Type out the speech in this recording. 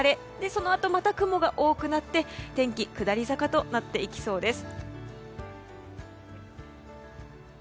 そのあと、また雲が多くなって天気下り坂となっていきそうです。